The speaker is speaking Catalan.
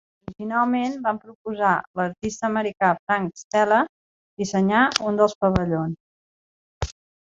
Originalment, van proposar a l'artista americà Frank Stella dissenyar un dels pavellons.